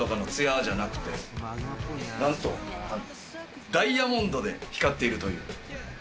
なんとダイヤモンドで光っている。